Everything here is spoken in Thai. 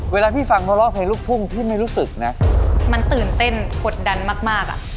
เวลาพี่ฟังเพราะร้องเพลงลูกทุ่งพี่ไม่รู้สึกนะมันตื่นเต้นกดดันมากมากอ่ะ